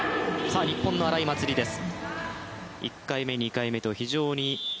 日本の荒井祭里です。